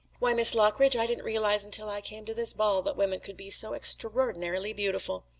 Why, Miss Lockridge, I didn't realize until I came to this ball that women could be so extraordinarily beautiful.